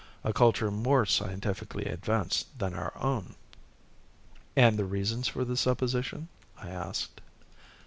A culture more scientifically advanced than our own." "And the reasons for this supposition?" I asked.